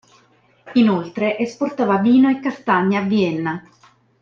Inoltre, esportava vino e castagne a Vienna.